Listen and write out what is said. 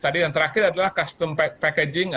tadi yang terakhir adalah custom packaging